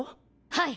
はい。